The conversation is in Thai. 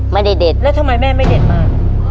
เด็ดแล้วทำไมแม่ไม่เด็ดมาก